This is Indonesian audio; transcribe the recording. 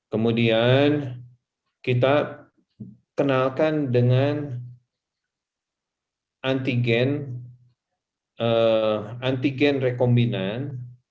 kemudian kita kenalkan dengan antigen antigen rekombinan